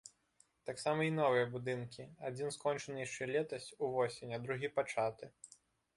Таксама і новыя будынкі, адзін скончаны яшчэ летась, увосень, а другі пачаты.